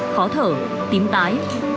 khó thở tím tái mạnh và huyết áp giảm